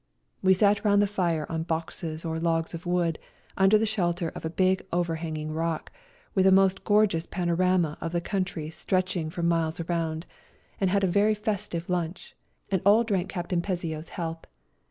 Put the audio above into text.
We sat round the fire on boxes or logs of wood under the shelter of a big overhanging rock, with a most gorgeous panorama of the country stretch ing for miles round, and had a very festive 58 A RIDE TO KALABAC lunch, and all drank Captain Pesio's health.